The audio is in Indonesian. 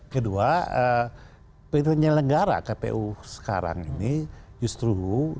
kedua penyelenggara kpu sekarang ini justru